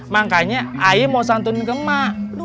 makanya ae mau santuni ke mak